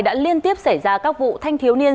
đã liên tiếp xảy ra các vụ thanh thiếu niên